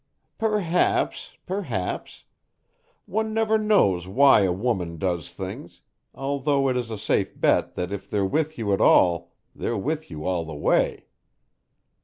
"Perhaps, perhaps. One never knows why a woman does things, although it is a safe bet that if they're with you at all, they're with you all the way.